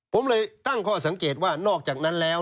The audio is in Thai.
ผมเลยตั้งข้อสังเกตว่านอกจากนั้นแล้ว